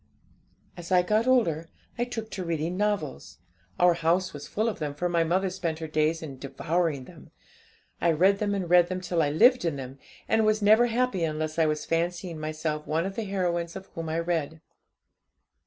'As I got older, I took to reading novels. Our house was full of them, for my mother spent her days in devouring them. I read them and read them till I lived in them, and was never happy unless I was fancying myself one of the heroines of whom I read.